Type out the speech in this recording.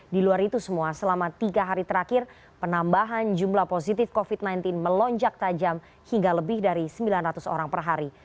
di luar itu semua selama tiga hari terakhir penambahan jumlah positif covid sembilan belas melonjak tajam hingga lebih dari sembilan ratus orang per hari